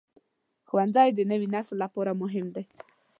ښوونځی د نوي نسل لپاره مهم دی.